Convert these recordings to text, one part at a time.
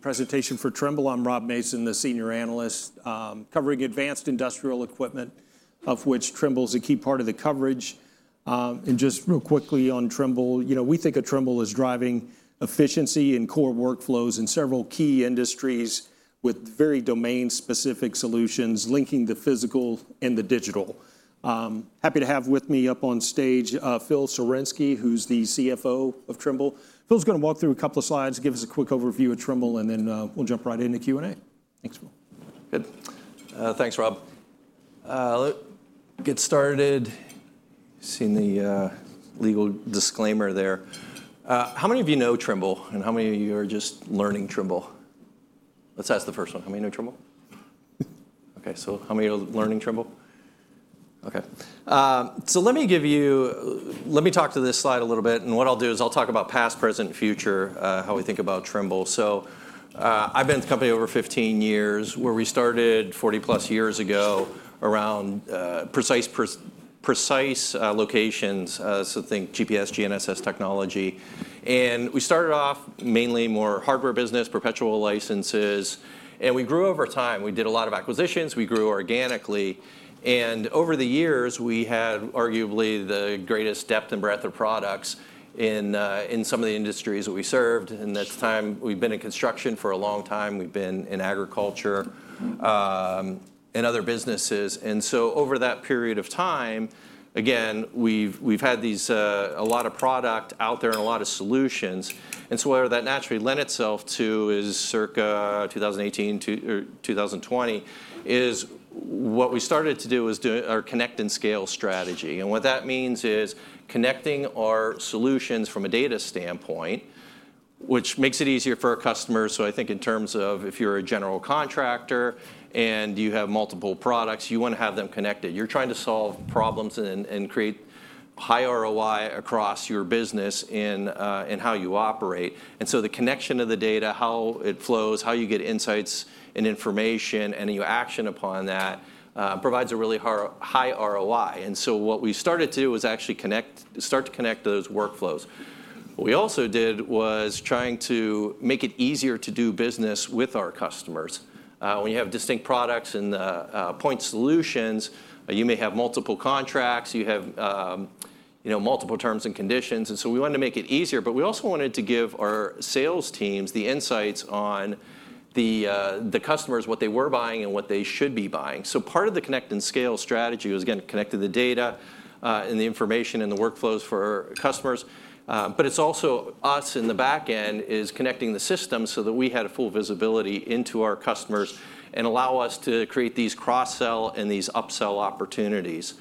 Presentation for Trimble. I'm Rob Mason, the Senior Analyst, covering advanced industrial equipment, of which Trimble is a key part of the coverage. And just real quickly on Trimble, you know, we think of Trimble as driving efficiency in core workflows in several key industries with very domain-specific solutions linking the physical and the digital. Happy to have with me up on stage Phil Sawarynski, who's the CFO of Trimble. Phil's going to walk through a couple of slides, give us a quick overview of Trimble, and then we'll jump right into Q&A. Thanks, Phil. Good. Thanks, Rob. Let's get started. Seen the legal disclaimer there. How many of you know Trimble, and how many of you are just learning Trimble? Let's ask the first one. How many know Trimble? OK, so how many are learning Trimble? OK. Let me give you—let me talk to this slide a little bit. What I'll do is I'll talk about past, present, and future, how we think about Trimble. I've been at the company over 15 years, where we started 40-plus years ago around precise locations, so think GPS, GNSS technology. We started off mainly more hardware business, perpetual licenses. We grew over time. We did a lot of acquisitions. We grew organically. Over the years, we had arguably the greatest depth and breadth of products in some of the industries that we served. That's the time we've been in construction for a long time. We've been in agriculture and other businesses. Over that period of time, again, we've had a lot of product out there and a lot of solutions. Where that naturally lent itself to, circa 2018 or 2020, is what we started to do was our connect and scale strategy. What that means is connecting our solutions from a data standpoint, which makes it easier for our customers. I think in terms of if you're a general contractor and you have multiple products, you want to have them connected. You're trying to solve problems and create high ROI across your business in how you operate. The connection of the data, how it flows, how you get insights and information, and your action upon that provides a really high ROI. What we started to do was actually start to connect those workflows. What we also did was trying to make it easier to do business with our customers. When you have distinct products and point solutions, you may have multiple contracts. You have multiple terms and conditions. We wanted to make it easier. We also wanted to give our sales teams the insights on the customers, what they were buying and what they should be buying. Part of the connect and scale strategy was, again, connecting the data and the information and the workflows for our customers. It is also us in the back end connecting the system so that we had full visibility into our customers and allow us to create these cross-sell and these up-sell opportunities.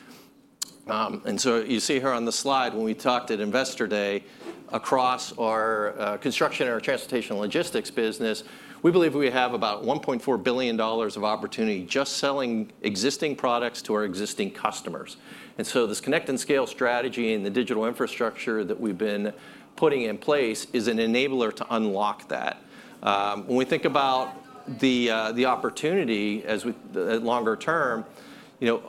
You see here on the slide, when we talked at Investor Day across our construction and our transportation logistics business, we believe we have about $1.4 billion of opportunity just selling existing products to our existing customers. This connect and scale strategy and the digital infrastructure that we've been putting in place is an enabler to unlock that. When we think about the opportunity as longer term,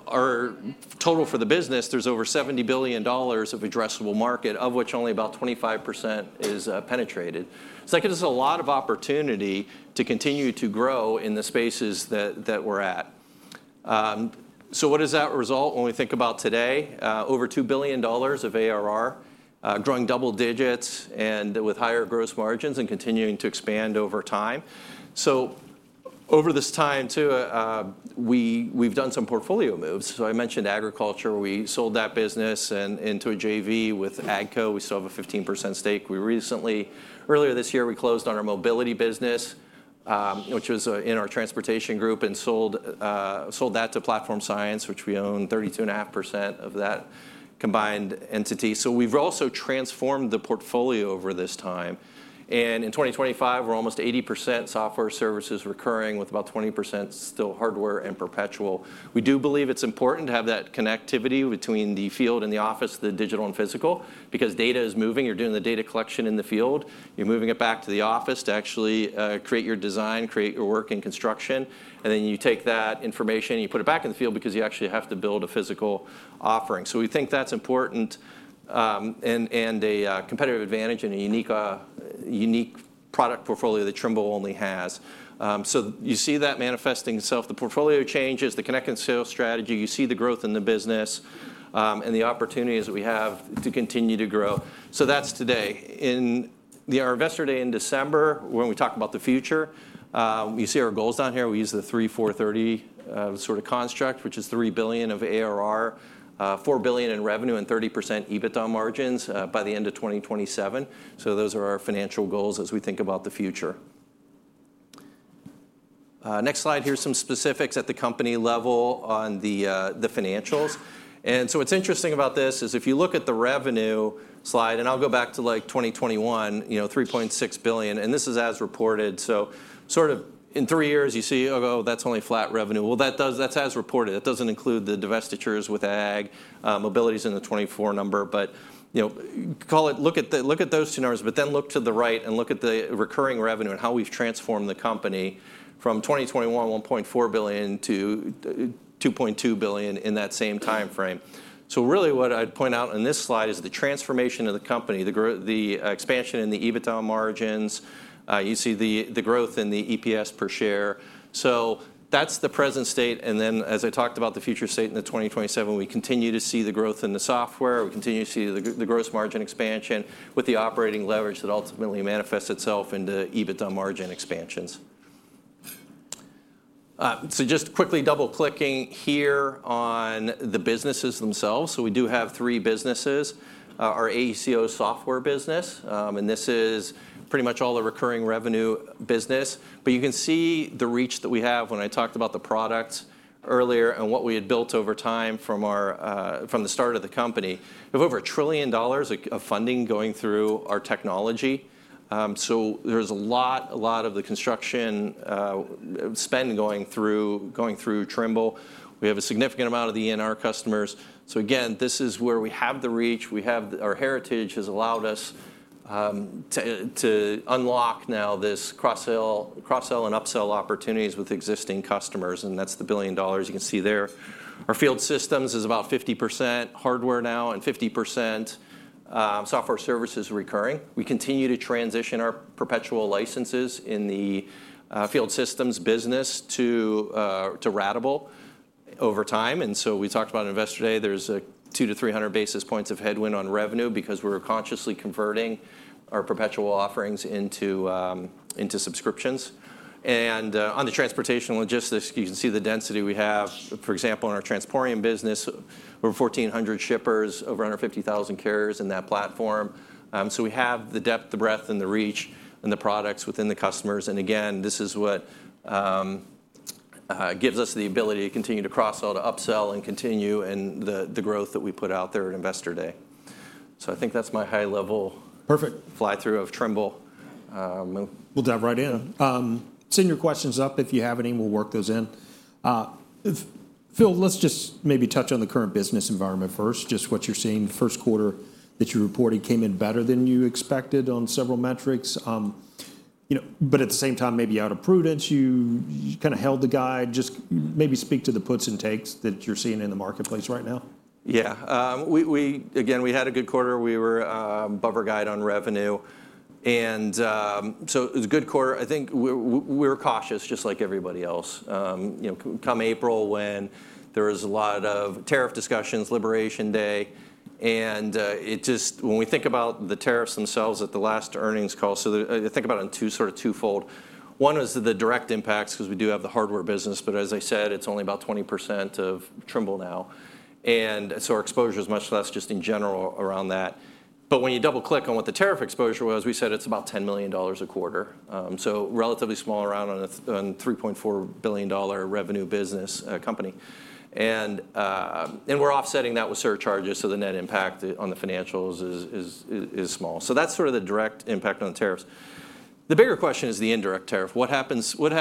our total for the business, there's over $70 billion of addressable market, of which only about 25% is penetrated. That gives us a lot of opportunity to continue to grow in the spaces that we're at. What does that result when we think about today? Over $2 billion of ARR, growing double digits and with higher gross margins and continuing to expand over time. Over this time, too, we've done some portfolio moves. I mentioned agriculture. We sold that business into a JV with AGCO. We still have a 15% stake. Earlier this year, we closed on our mobility business, which was in our transportation group, and sold that to Platform Science, which we own 32.5% of that combined entity. We have also transformed the portfolio over this time. In 2025, we are almost 80% software services recurring, with about 20% still hardware and perpetual. We do believe it is important to have that connectivity between the field and the office, the digital and physical, because data is moving. You are doing the data collection in the field. You are moving it back to the office to actually create your design, create your work in construction. You take that information and you put it back in the field because you actually have to build a physical offering. We think that's important and a competitive advantage and a unique product portfolio that Trimble only has. You see that manifesting itself. The portfolio changes, the connect and scale strategy. You see the growth in the business and the opportunities that we have to continue to grow. That's today. In our Investor Day in December, when we talk about the future, you see our goals down here. We use the 3-4-30 sort of construct, which is $3 billion of ARR, $4 billion in revenue, and 30% EBITDA margins by the end of 2027. Those are our financial goals as we think about the future. Next slide here, some specifics at the company level on the financials. What's interesting about this is if you look at the revenue slide, and I'll go back to like 2021, $3.6 billion. This is as reported. Sort of in three years, you see, oh, that's only flat revenue. That's as reported. That does not include the divestitures with AG, mobility is in the 2024 number. Look at those two numbers, then look to the right and look at the recurring revenue and how we've transformed the company from 2021, $1.4 billion to $2.2 billion in that same time frame. What I'd point out in this slide is the transformation of the company, the expansion in the EBITDA margins. You see the growth in the EPS per share. That's the present state. As I talked about the future state in 2027, we continue to see the growth in the software. We continue to see the gross margin expansion with the operating leverage that ultimately manifests itself into EBITDA margin expansions. Just quickly double-clicking here on the businesses themselves. We do have three businesses. Our AECO software business, and this is pretty much all the recurring revenue business. You can see the reach that we have when I talked about the products earlier and what we had built over time from the start of the company. We have over $1 trillion of funding going through our technology. There is a lot of the construction spend going through Trimble. We have a significant amount of the ENR customers. This is where we have the reach. Our heritage has allowed us to unlock now this cross-sell and up-sell opportunities with existing customers. That is the $1 billion you can see there. Our field systems is about 50% hardware now and 50% software services recurring. We continue to transition our perpetual licenses in the field systems business to ratable over time. We talked about Investor Day. There is a 200 basis point-300 basis points headwind on revenue because we are consciously converting our perpetual offerings into subscriptions. On the transportation logistics, you can see the density we have. For example, in our transportation business, we are 1,400 shippers, over 150,000 carriers in that platform. We have the depth, the breadth, and the reach and the products within the customers. This is what gives us the ability to continue to cross-sell, to up-sell, and continue the growth that we put out there at Investor Day. I think that is my high-level. Perfect. Fly-through of Trimble. We'll dive right in. Send your questions up if you have any. We'll work those in. Phil, let's just maybe touch on the current business environment first, just what you're seeing. The first quarter that you reported came in better than you expected on several metrics. At the same time, maybe out of prudence, you kind of held the guide. Just maybe speak to the puts and takes that you're seeing in the marketplace right now. Yeah. Again, we had a good quarter. We were above guided on revenue. It was a good quarter. I think we were cautious, just like everybody else. Come April, when there was a lot of tariff discussions, Liberation Day. Just when we think about the tariffs themselves at the last earnings call, think about it in sort of twofold. One was the direct impacts because we do have the hardware business. As I said, it's only about 20% of Trimble now. Our exposure is much less just in general around that. When you double-click on what the tariff exposure was, we said it's about $10 million a quarter. Relatively small on a $3.4 billion revenue business company. We're offsetting that with surcharges. The net impact on the financials is small. That's sort of the direct impact on the tariffs. The bigger question is the indirect tariff. What happens with the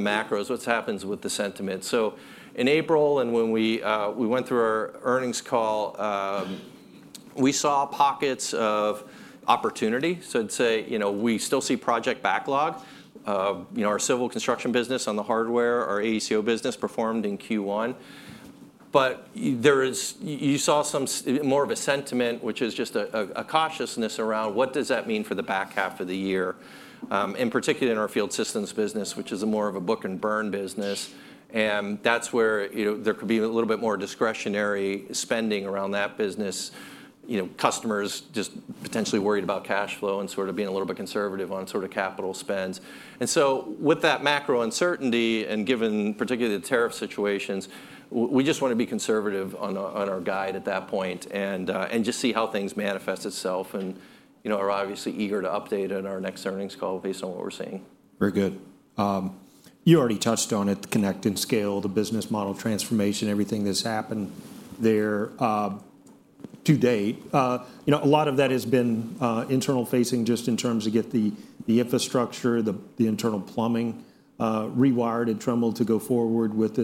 macros? What happens with the sentiment? In April, when we went through our earnings call, we saw pockets of opportunity. I'd say we still see project backlog. Our civil construction business on the hardware, our AECO business performed in Q1. You saw some more of a sentiment, which is just a cautiousness around what does that mean for the back half of the year, in particular in our field systems business, which is more of a book and burn business. That's where there could be a little bit more discretionary spending around that business. Customers just potentially worried about cash flow and sort of being a little bit conservative on sort of capital spends. With that macro uncertainty and given particularly the tariff situations, we just want to be conservative on our guide at that point and just see how things manifest itself. We're obviously eager to update it on our next earnings call based on what we're seeing. Very good. You already touched on it, the connect and scale, the business model transformation, everything that's happened there to date. A lot of that has been internal facing just in terms of getting the infrastructure, the internal plumbing rewired at Trimble to go forward with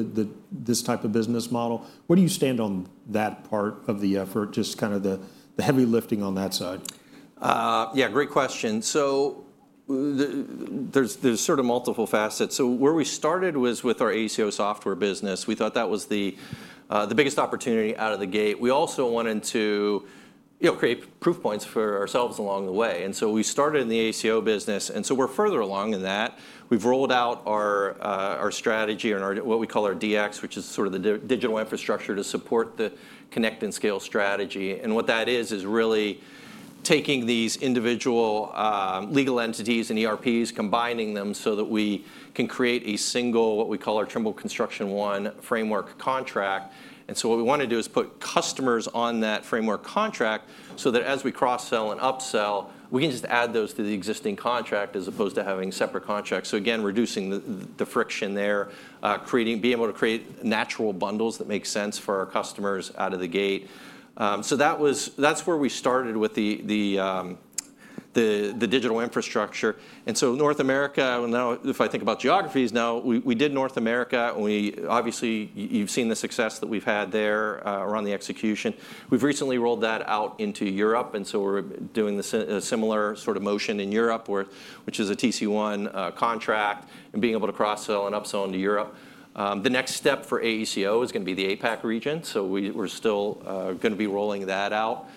this type of business model. Where do you stand on that part of the effort, just kind of the heavy lifting on that side? Yeah, great question. There's sort of multiple facets. Where we started was with our AECO software business. We thought that was the biggest opportunity out of the gate. We also wanted to create proof points for ourselves along the way. We started in the AECO business. We're further along in that. We've rolled out our strategy and what we call our DX, which is sort of the digital infrastructure to support the connect and scale strategy. What that is, is really taking these individual legal entities and ERPs, combining them so that we can create a single, what we call our Trimble Construction One framework contract. What we want to do is put customers on that framework contract so that as we cross-sell and up-sell, we can just add those to the existing contract as opposed to having separate contracts. So again, reducing the friction there, being able to create natural bundles that make sense for our customers out of the gate. That is where we started with the digital infrastructure. North America, if I think about geographies now, we did North America. Obviously, you have seen the success that we have had there around the execution. We have recently rolled that out into Europe. We are doing a similar sort of motion in Europe, which is a TC1 contract and being able to cross-sell and up-sell into Europe. The next step for AECO is going to be the APAC region. We are still going to be rolling that out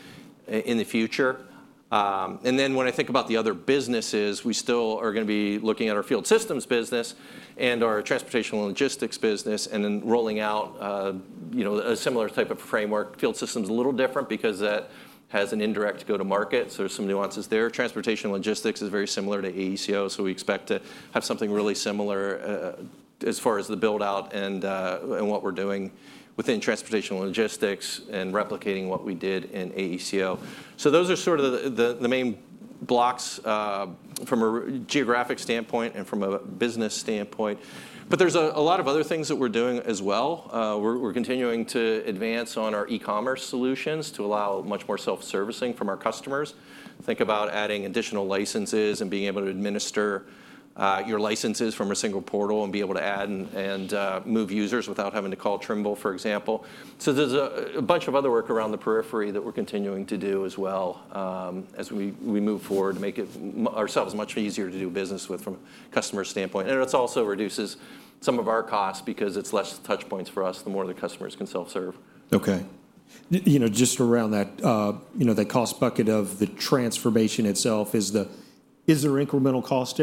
in the future. When I think about the other businesses, we still are going to be looking at our field systems business and our transportation logistics business and then rolling out a similar type of framework. Field systems are a little different because that has an indirect go-to-market. There are some nuances there. Transportation logistics is very similar to AECO. We expect to have something really similar as far as the build-out and what we are doing within transportation logistics and replicating what we did in AECO. Those are sort of the main blocks from a geographic standpoint and from a business standpoint. There are a lot of other things that we are doing as well. We are continuing to advance on our e-commerce solutions to allow much more self-servicing from our customers. Think about adding additional licenses and being able to administer your licenses from a single portal and be able to add and move users without having to call Trimble, for example. There is a bunch of other work around the periphery that we are continuing to do as well as we move forward to make it ourselves much easier to do business with from a customer standpoint. It also reduces some of our costs because it is less touch points for us the more the customers can self-serve. OK. Just around that cost bucket of the transformation itself, is there incremental cost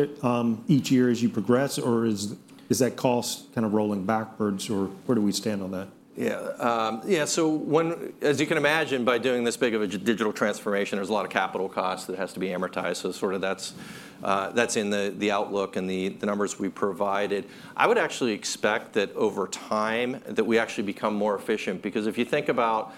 each year as you progress? Or is that cost kind of rolling backwards? Or where do we stand on that? Yeah. Yeah. As you can imagine, by doing this big of a digital transformation, there's a lot of capital costs that have to be amortized. That is in the outlook and the numbers we provided. I would actually expect that over time we actually become more efficient. Because if you think about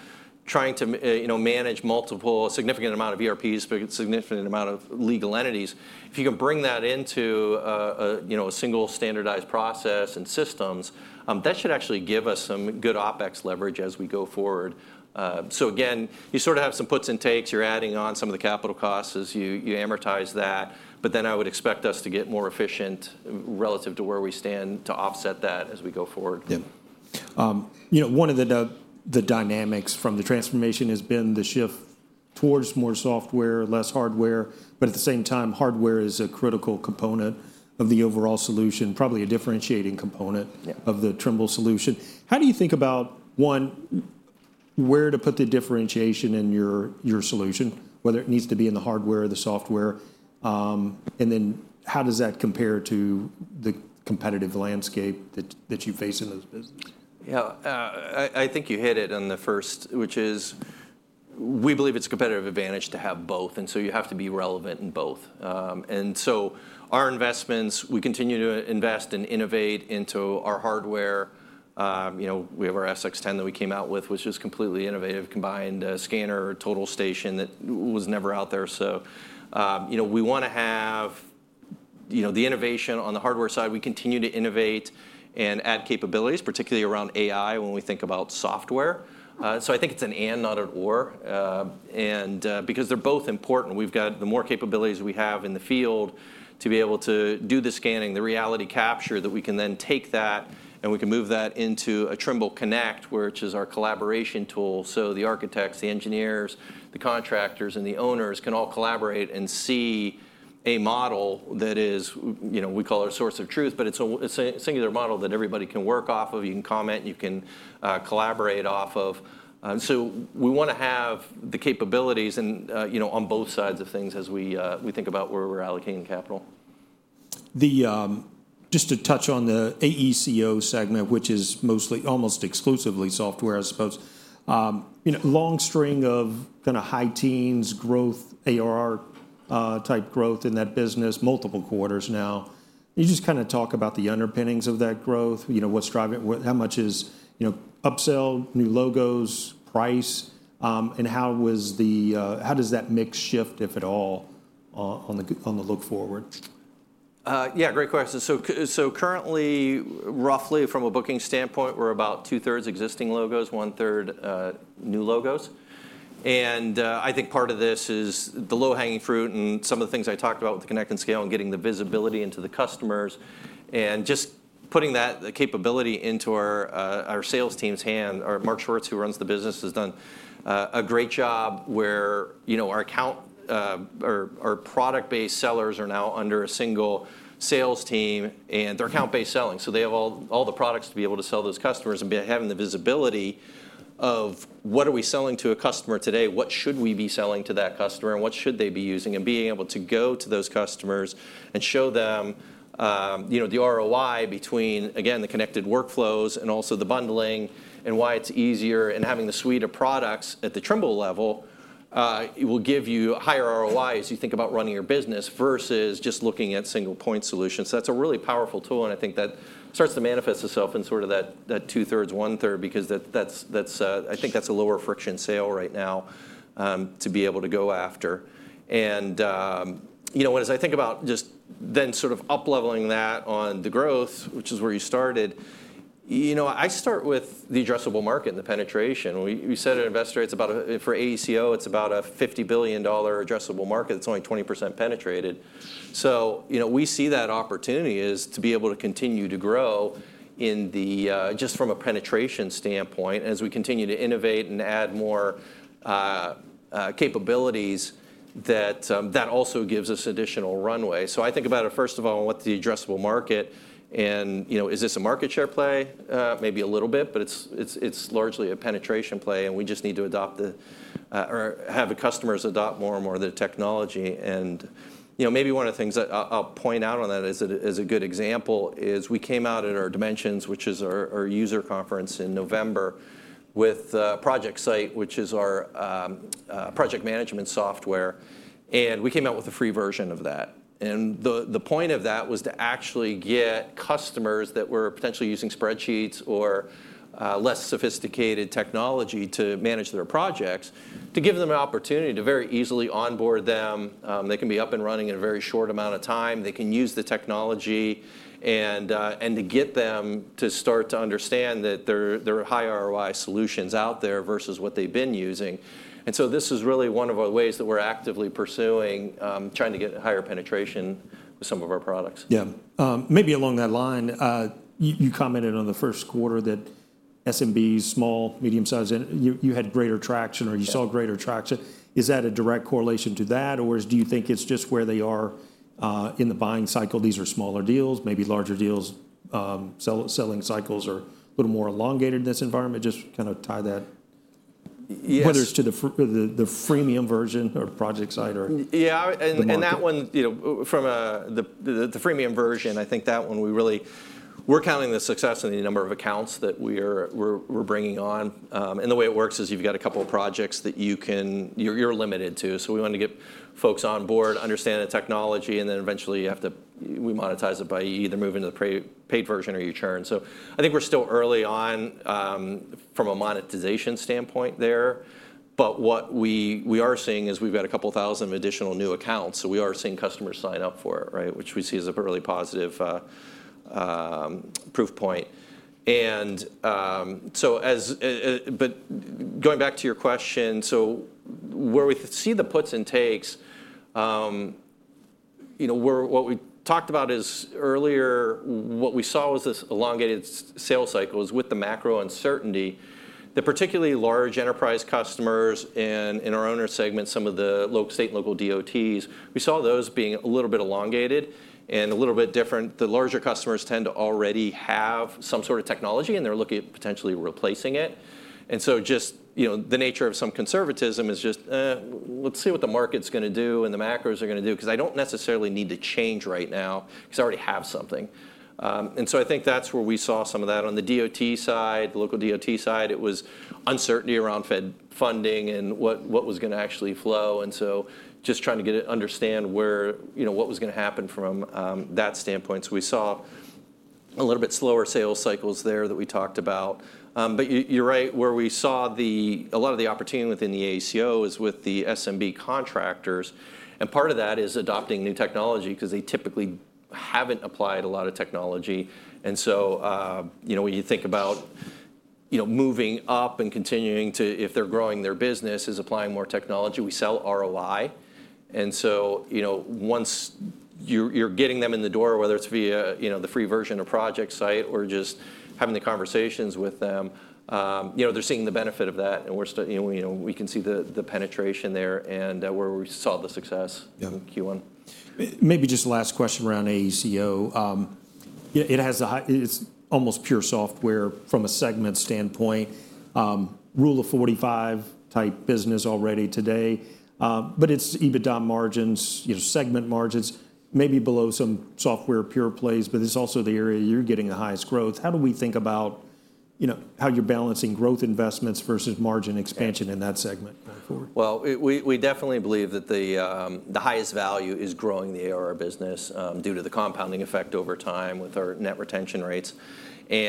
trying to manage a significant amount of ERPs, a significant amount of legal entities, if you can bring that into a single standardized process and systems, that should actually give us some good OpEx leverage as we go forward. Again, you have some puts and takes. You're adding on some of the capital costs as you amortize that. I would expect us to get more efficient relative to where we stand to offset that as we go forward. Yeah. One of the dynamics from the transformation has been the shift towards more software, less hardware. At the same time, hardware is a critical component of the overall solution, probably a differentiating component of the Trimble solution. How do you think about, one, where to put the differentiation in your solution, whether it needs to be in the hardware or the software? How does that compare to the competitive landscape that you face in this business? Yeah. I think you hit it in the first, which is we believe it's a competitive advantage to have both. You have to be relevant in both. Our investments, we continue to invest and innovate into our hardware. We have our SX10 that we came out with, which is completely innovative, combined scanner total station that was never out there. We want to have the innovation on the hardware side. We continue to innovate and add capabilities, particularly around AI when we think about software. I think it's an and, not an or. Because they're both important, we've got the more capabilities we have in the field to be able to do the scanning, the reality capture that we can then take that and we can move that into a Trimble Connect, which is our collaboration tool. The architects, the engineers, the contractors, and the owners can all collaborate and see a model that is, we call, our source of truth. It is a singular model that everybody can work off of. You can comment. You can collaborate off of it. We want to have the capabilities on both sides of things as we think about where we're allocating capital. Just to touch on the AECO segment, which is mostly almost exclusively software, I suppose. Long string of kind of high teens, growth, ARR-type growth in that business, multiple quarters now. You just kind of talk about the underpinnings of that growth. How much is upsell, new logos, price? And how does that mix shift, if at all, on the look forward? Yeah, great question. Currently, roughly from a booking standpoint, we're about two-thirds existing logos, one-third new logos. I think part of this is the low-hanging fruit and some of the things I talked about with the connect and scale and getting the visibility into the customers and just putting that capability into our sales team's hand. Mark Schwartz, who runs the business, has done a great job where our account or our product-based sellers are now under a single sales team and their account-based selling. They have all the products to be able to sell those customers and be having the visibility of what are we selling to a customer today, what should we be selling to that customer, and what should they be using, and being able to go to those customers and show them the ROI between, again, the connected workflows and also the bundling and why it's easier. Having the suite of products at the Trimble level will give you higher ROI as you think about running your business versus just looking at single-point solutions. That's a really powerful tool. I think that starts to manifest itself in sort of that two-thirds, one-third, because I think that's a lower friction sale right now to be able to go after. As I think about just then sort of up-leveling that on the growth, which is where you started, I start with the addressable market and the penetration. We said at InvestorRates for AECO, it's about a $50 billion addressable market that's only 20% penetrated. We see that opportunity is to be able to continue to grow just from a penetration standpoint as we continue to innovate and add more capabilities. That also gives us additional runway. I think about it, first of all, what's the addressable market? Is this a market share play? Maybe a little bit, but it's largely a penetration play. We just need to adopt the or have the customers adopt more and more of the technology. Maybe one of the things I'll point out on that as a good example is we came out at our Dimensions, which is our user conference in November, with ProjectSight, which is our project management software. We came out with a free version of that. The point of that was to actually get customers that were potentially using spreadsheets or less sophisticated technology to manage their projects to give them an opportunity to very easily onboard them. They can be up and running in a very short amount of time. They can use the technology and get them to start to understand that there are high ROI solutions out there versus what they've been using. This is really one of our ways that we're actively pursuing, trying to get higher penetration with some of our products. Yeah. Maybe along that line, you commented on the first quarter that SMBs, small, medium size, you had greater traction or you saw greater traction. Is that a direct correlation to that? Or do you think it's just where they are in the buying cycle? These are smaller deals. Maybe larger deals, selling cycles are a little more elongated in this environment. Just kind of tie that, whether it's to the freemium version or ProjectSight or. Yeah. And that one, from the freemium version, I think that one we really are counting the success in the number of accounts that we're bringing on. The way it works is you've got a couple of projects that you're limited to. We want to get folks on board, understand the technology. Eventually, we monetize it by either moving to the paid version or you churn. I think we're still early on from a monetization standpoint there. What we are seeing is we've got a couple thousand additional new accounts. We are seeing customers sign up for it, which we see as a really positive proof point. Going back to your question, where we see the puts and takes, what we talked about is earlier, what we saw was this elongated sales cycle. It was with the macro uncertainty, the particularly large enterprise customers in our owner segment, some of the state and local DOTs, we saw those being a little bit elongated and a little bit different. The larger customers tend to already have some sort of technology, and they're looking at potentially replacing it. Just the nature of some conservatism is just, let's see what the market's going to do and the macros are going to do. I don't necessarily need to change right now because I already have something. I think that's where we saw some of that on the DOT side, the local DOT side. It was uncertainty around Fed funding and what was going to actually flow. Just trying to understand what was going to happen from that standpoint. We saw a little bit slower sales cycles there that we talked about. You're right, where we saw a lot of the opportunity within the AECO is with the SMB contractors. Part of that is adopting new technology because they typically haven't applied a lot of technology. When you think about moving up and continuing to, if they're growing their business, is applying more technology, we sell ROI. Once you're getting them in the door, whether it's via the free version or ProjectSight or just having the conversations with them, they're seeing the benefit of that. We can see the penetration there and where we saw the success in Q1. Maybe just last question around AECO. It's almost pure software from a segment standpoint, rule of 45 type business already today. But its EBITDA margins, segment margins, maybe below some software pure plays. But it's also the area you're getting the highest growth. How do we think about how you're balancing growth investments versus margin expansion in that segment going forward? We definitely believe that the highest value is growing the AR business due to the compounding effect over time with our net retention rates. We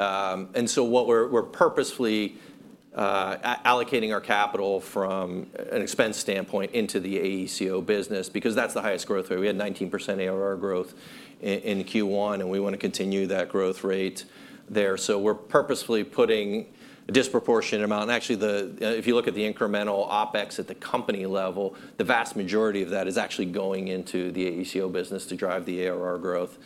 are purposefully allocating our capital from an expense standpoint into the AECO business because that is the highest growth rate. We had 19% ARR growth in Q1, and we want to continue that growth rate there. We are purposefully putting a disproportionate amount. Actually, if you look at the incremental OpEx at the company level, the vast majority of that is actually going into the AECO business to drive the ARR growth.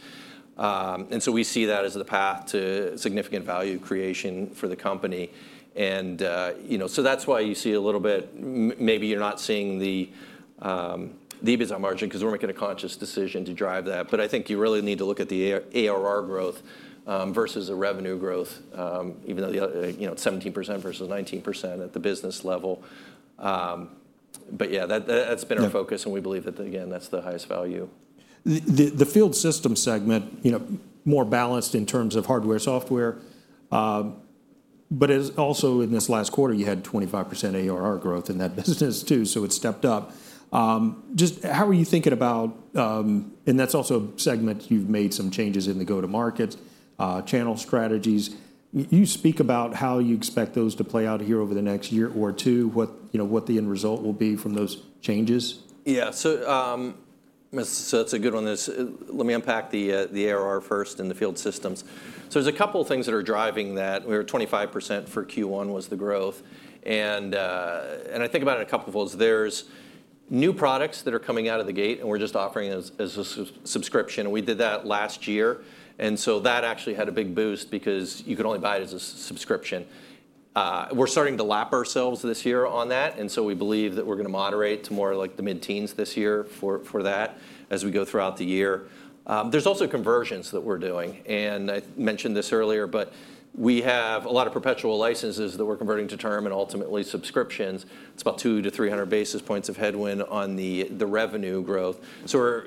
We see that as the path to significant value creation for the company. That is why you see a little bit. Maybe you are not seeing the EBITDA margin because we are making a conscious decision to drive that. I think you really need to look at the ARR growth versus the revenue growth, even though it's 17% versus 19% at the business level. Yeah, that's been our focus. We believe that, again, that's the highest value. The field system segment, more balanced in terms of hardware, software. Also in this last quarter, you had 25% ARR growth in that business too. It stepped up. Just how are you thinking about, and that's also a segment you've made some changes in the go-to-market channel strategies. You speak about how you expect those to play out here over the next year or two, what the end result will be from those changes. Yeah. That's a good one. Let me unpack the ARR first and the field systems. There's a couple of things that are driving that. We were at 25% for Q1 was the growth. I think about it in a couple of ways. There's new products that are coming out of the gate, and we're just offering it as a subscription. We did that last year. That actually had a big boost because you could only buy it as a subscription. We're starting to lap ourselves this year on that. We believe that we're going to moderate to more like the mid-teens this year for that as we go throughout the year. There's also conversions that we're doing. I mentioned this earlier, but we have a lot of perpetual licenses that we're converting to term and ultimately subscriptions. It's about 200 basis point-300 basis points of headwind on the revenue growth. So we're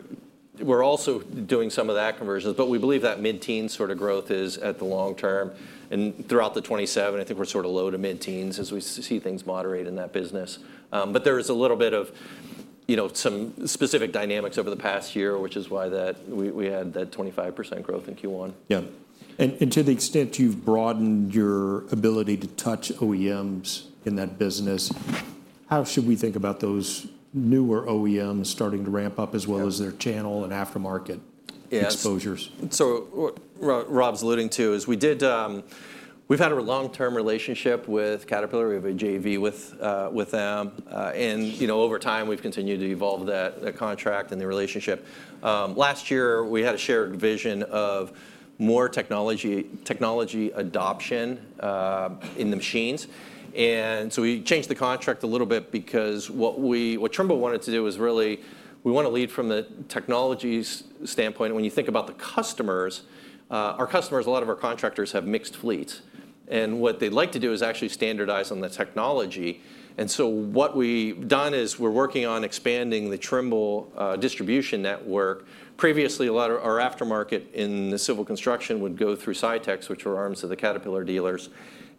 also doing some of that conversions. But we believe that mid-teens sort of growth is at the long term. And throughout the 2027, I think we're sort of low to mid-teens as we see things moderate in that business. But there is a little bit of some specific dynamics over the past year, which is why we had that 25% growth in Q1. Yeah. To the extent you've broadened your ability to touch OEMs in that business, how should we think about those newer OEMs starting to ramp up as well as their channel and aftermarket exposures? What Rob's alluding to is we've had a long-term relationship with Caterpillar. We have a JV with them. Over time, we've continued to evolve that contract and the relationship. Last year, we had a shared vision of more technology adoption in the machines. We changed the contract a little bit because what Trimble wanted to do is really, we want to lead from the technology standpoint. When you think about the customers, our customers, a lot of our contractors have mixed fleets. What they'd like to do is actually standardize on the technology. What we've done is we're working on expanding the Trimble distribution network. Previously, a lot of our aftermarket in the civil construction would go through SITECH, which were arms of the Caterpillar dealers.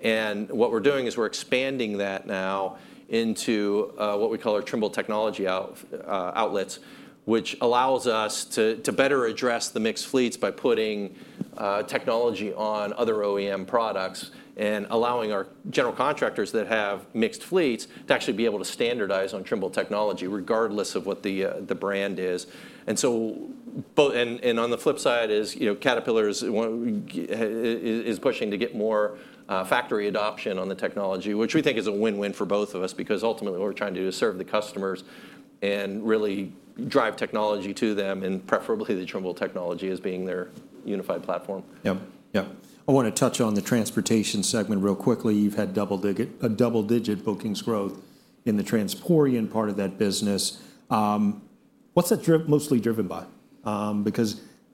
What we're doing is we're expanding that now into what we call our Trimble technology outlets, which allows us to better address the mixed fleets by putting technology on other OEM products and allowing our general contractors that have mixed fleets to actually be able to standardize on Trimble technology regardless of what the brand is. On the flip side, Caterpillar is pushing to get more factory adoption on the technology, which we think is a win-win for both of us because ultimately what we're trying to do is serve the customers and really drive technology to them and preferably the Trimble technology as being their unified platform. Yeah. Yeah.I want to touch on the transportation segment real quickly. You've had a double-digit bookings growth in the transport part of that business. What's that mostly driven by?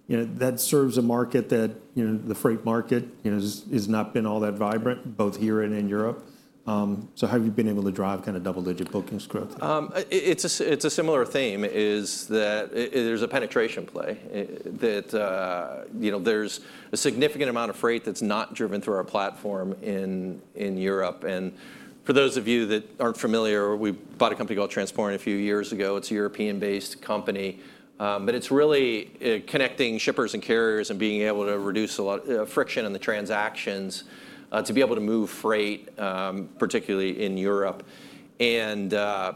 Because that serves a market that the freight market has not been all that vibrant, both here and in Europe. How have you been able to drive kind of double-digit bookings growth? It's a similar theme is that there's a penetration play. There's a significant amount of freight that's not driven through our platform in Europe. For those of you that aren't familiar, we bought a company called Transport a few years ago. It's a European-based company. It's really connecting shippers and carriers and being able to reduce a lot of friction in the transactions to be able to move freight, particularly in Europe. Where a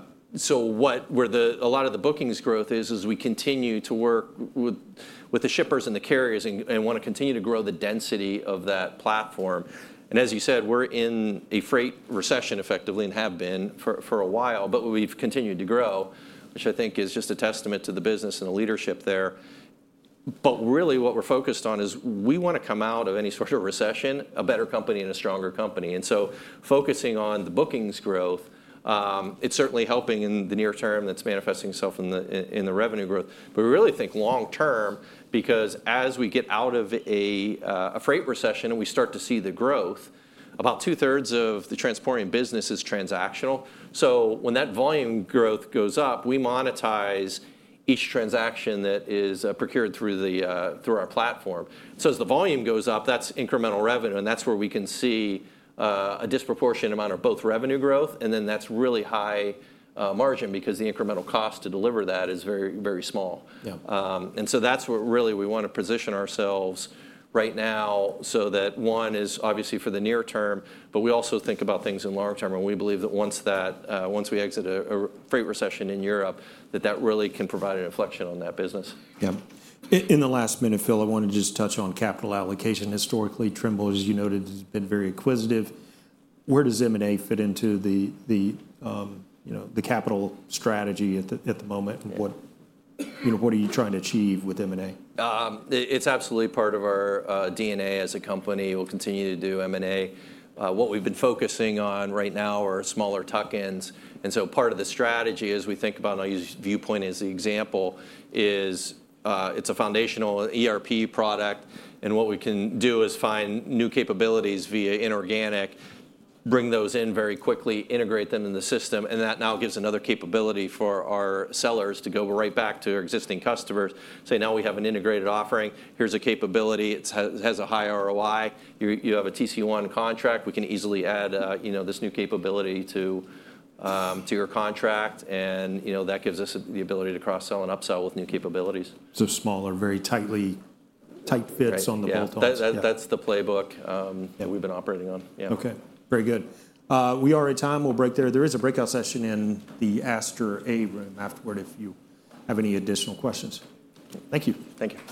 lot of the bookings growth is, is we continue to work with the shippers and the carriers and want to continue to grow the density of that platform. As you said, we're in a freight recession effectively and have been for a while. We've continued to grow, which I think is just a testament to the business and the leadership there. What we're focused on is we want to come out of any sort of recession a better company and a stronger company. Focusing on the bookings growth, it's certainly helping in the near term, that's manifesting itself in the revenue growth. We really think long term because as we get out of a freight recession and we start to see the growth, about two-thirds of the transporting business is transactional. When that volume growth goes up, we monetize each transaction that is procured through our platform. As the volume goes up, that's incremental revenue. That's where we can see a disproportionate amount of both revenue growth. That's really high margin because the incremental cost to deliver that is very, very small. That is where really we want to position ourselves right now so that one is obviously for the near term. We also think about things in long term. We believe that once we exit a freight recession in Europe, that that really can provide an inflection on that business. Yeah. In the last minute, Phil, I wanted to just touch on capital allocation. Historically, Trimble, as you noted, has been very acquisitive. Where does M&A fit into the capital strategy at the moment? What are you trying to achieve with M&A? It's absolutely part of our DNA as a company. We'll continue to do M&A. What we've been focusing on right now are smaller tuck-ins. Part of the strategy is we think about, and I'll use Viewpoint as the example, it's a foundational ERP product. What we can do is find new capabilities via inorganic, bring those in very quickly, integrate them in the system. That now gives another capability for our sellers to go right back to our existing customers, say, now we have an integrated offering. Here's a capability. It has a high ROI. You have a TC1 contract. We can easily add this new capability to your contract. That gives us the ability to cross-sell and upsell with new capabilities. Smaller, very tightly tight fits on the bolt-ons. That's the playbook that we've been operating on. Yeah. Okay. Very good. We are at time. We'll break there. There is a breakout session in the Aster A room afterward if you have any additional questions. Thank you. Thank you.